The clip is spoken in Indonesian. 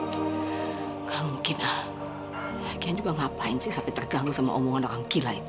tidak mungkin ah kayaknya juga ngapain sih sampai terganggu sama omongan orang gila itu